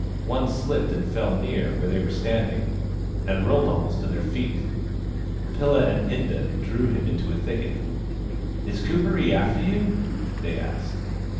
One slipped and fell near where they were standing, and rolled almost to their feet. Pilla and Inda drew him into a thicket. " Is Kuperee after you ?" they asked.